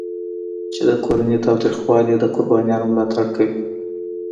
چې د کورني تاوتریخوالي د قربانیانو ملاتړ کوي.